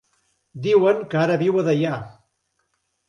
Diuen que ara viu a Deià.